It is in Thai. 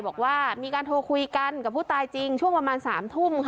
บอกว่ามีการโทรคุยกันกับผู้ตายจริงช่วงประมาณ๓ทุ่ม